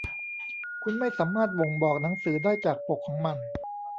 คุณไม่สามารถบ่งบอกหนังสือได้จากปกของมัน